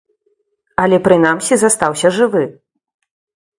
Але, прынамсі, застаўся жывы.